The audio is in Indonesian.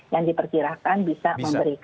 yang diperkirakan bisa memberikan segera pertolongan